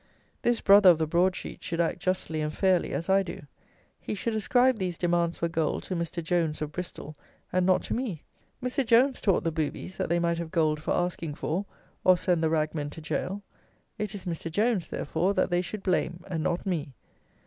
This brother of the broad sheet should act justly and fairly as I do. He should ascribe these demands for gold to Mr. Jones of Bristol and not to me. Mr. Jones taught the "boobies" that they might have gold for asking for, or send the ragmen to jail. It is Mr. Jones, therefore, that they should blame, and not me.